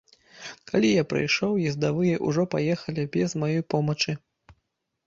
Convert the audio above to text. Калі я прыйшоў, ездавыя ўжо паехалі без маёй помачы.